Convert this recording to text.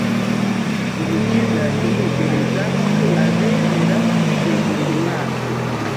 Umukiza yiyegereza abemera kwiyegurira Imana